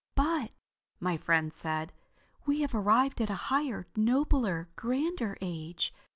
"But," said my friend, "we have arrived at a higher, nobler, grander age.